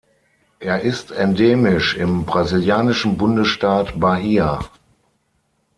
Er ist endemisch im brasilianischen Bundesstaat Bahia.